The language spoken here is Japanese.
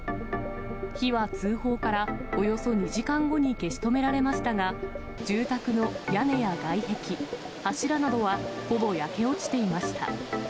火は通報からおよそ２時間後に消し止められましたが、住宅の屋根や外壁、柱などはほぼ焼け落ちていました。